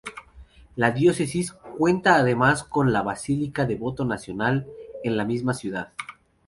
La diócesis cuenta además con la Basílica del Voto Nacional en la misma ciudad.